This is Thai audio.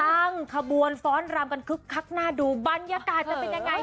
ตั้งขบวนฟ้อนรำกันคึกคักน่าดูบรรยากาศจะเป็นยังไง